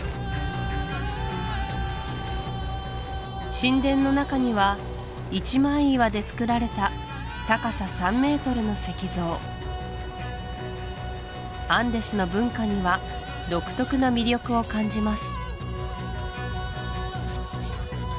神殿の中には一枚岩で造られた高さ３ｍの石像アンデスの文化には独特な魅力を感じます